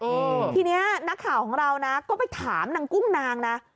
ทีเนี้ยนักข่าวของเรานะก็ไปถามนางกุ้งนางนะ